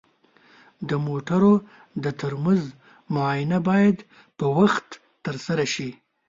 د موټرو د ترمز معاینه باید په وخت ترسره شي.